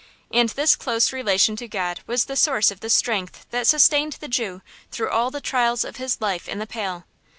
And this close relation to God was the source of the strength that sustained the Jew through all the trials of his life in the Pale.